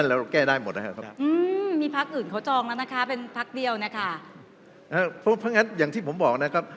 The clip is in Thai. แล้วเราแก้ด้วยหมดนะครับ